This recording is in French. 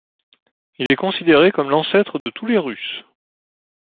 Il est considéré comme l'ancêtre de tous les Russes.